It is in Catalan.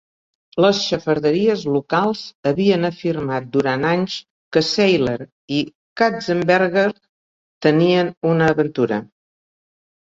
Les xafarderies locals havien afirmat durant anys que Seiler i Katzenberger tenien una aventura.